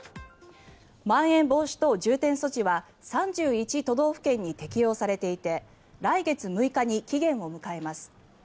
まん延防止等重点措置は３１都道府県に適用されていて来月６日に期限を迎えます。